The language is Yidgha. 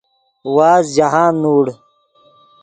وازد جاہند نوڑ